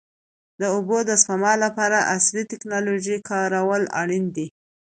د اوبو د سپما لپاره عصري ټکنالوژي کارول اړین دي.